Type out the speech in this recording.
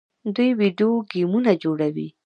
دوی ویډیو ګیمونه جوړوي.